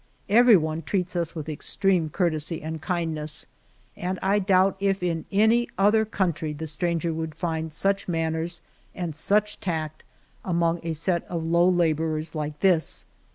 Everyone treats us with extreme courtesy and kindness, and I doubt if in any other country the stranger could find such manners and such tact among a set of low laborers like this.